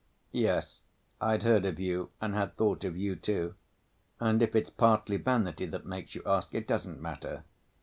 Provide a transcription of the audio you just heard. "Yes, I'd heard of you and had thought of you, too ... and if it's partly vanity that makes you ask, it doesn't matter."